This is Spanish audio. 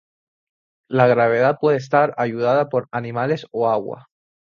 La gravedad puede estar ayudada por animales o agua.